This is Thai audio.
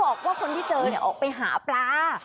บอกว่าคนที่เจอออกไปหาปลา